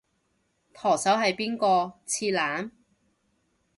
舵手係邊個？次男？